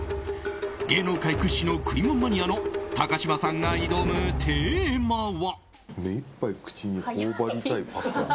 芸能界屈指の食いもんマニアの高嶋さんが挑むテーマは。